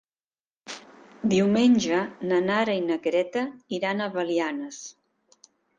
Diumenge na Nara i na Greta iran a Belianes.